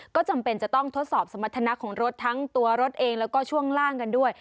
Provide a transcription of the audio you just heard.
ก็จำเป็นจะต้องทดสอบสมรรถนะของรถทั้งตัวรถเองแล้วก็ช่วงล่างกันด้วย